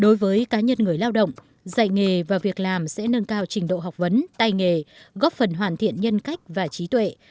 đối với cá nhân người lao động dạy nghề và việc làm sẽ nâng cao trình độ học vấn tay nghề góp phần hoàn thiện nhân cách và trí tuệ